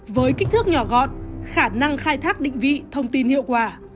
với kích thước nhỏ gọn khả năng khai thác định vị thông tin hiệu quả